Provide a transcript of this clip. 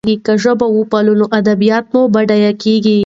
که ژبه وپالو نو ادبیات مو بډایه کېږي.